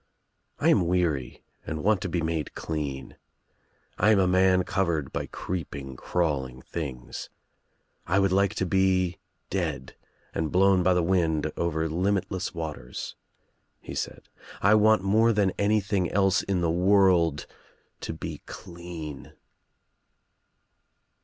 "I am weary and want to be made clean. I am a man covered by creeping crawling things. I would like to be dead and blown by the wind over limitless waters," he said. "I want more than any thing else in the world to be clean."